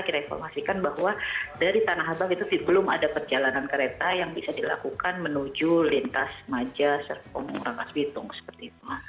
kita informasikan bahwa dari tanah abang itu belum ada perjalanan kereta yang bisa dilakukan menuju lintas maja serpong rangkas bitung seperti itu